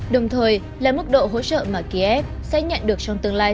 đồng thời là mức độ hỗ trợ mà kiev sẽ nhận được trong tương lai